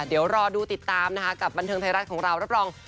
เดี๋ยวรอดูติดตามนะคะกับบันเทิงไทยรัฐของเรารับรอง